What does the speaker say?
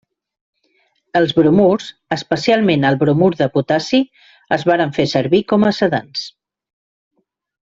Els bromurs, especialment el bromur de potassi, es varen fer servir com a sedants.